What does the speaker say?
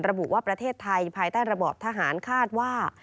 ระบุว่าประเทศไทยภายใต้ระบอบทหารคาดว่า